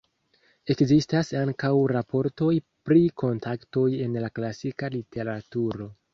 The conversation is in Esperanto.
Ekzistas ankaŭ raportoj pri kontaktoj en la klasika literaturo.